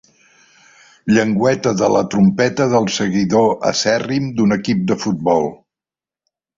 Llengüeta de la trompeta del seguidor acèrrim d'un equip de futbol.